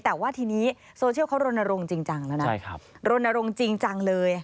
แต่ว่าทีนี้โซเชียลเขารณรงค์จริงจังแล้วนะรณรงค์จริงจังเลย